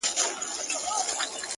چي ناڅاپه سوه پیشو دوکان ته پورته،